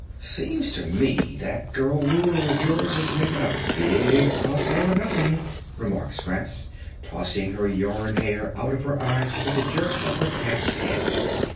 "Seems to me that girl Ruler of yours is making a big fuss over nothing," remarked Scraps, tossing her yarn hair out of her eyes with a jerk of her patched head.